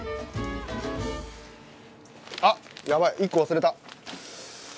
あっやばい１個忘れた。